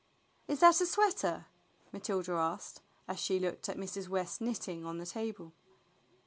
"Is that a sweater?" Matilda asked, as she looked at Mrs. West's knitting on the table.